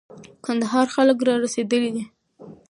کندهار خلک را رسېدلي دي.